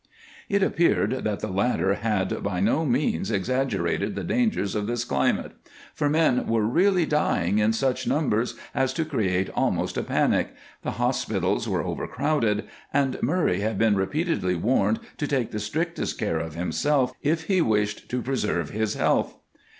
It appeared that the latter had by no means exaggerated the dangers of this climate, for men were really dying in such numbers as to create almost a panic, the hospitals were overcrowded, and Murray had been repeatedly warned to take the strictest care of himself if he wished to preserve his health.